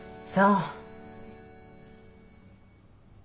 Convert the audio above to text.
そう。